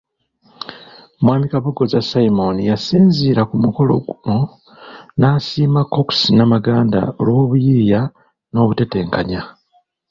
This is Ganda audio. Mwami Kabogoza Simon yasinziira ku mukolo guno n’asiima Cox Namaganda olw'obuyiiya n’obutetenkanya.